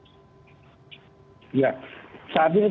saat ini tidak ada negara yang bisa menahan lagi omikron ini